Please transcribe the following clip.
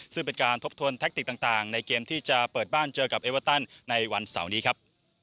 ซึ่งเป็นการทบทวนแทคติกต่างในเกมที่จะเปิดบ้านเจอกับเอเวอร์ตันในวันเสาร์นี้ครับ